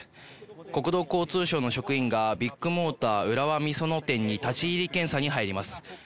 国土交通省の職員が、ビッグモーター浦和美園店に立ち入り検査に入ります。